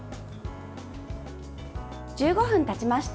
１５分たちました。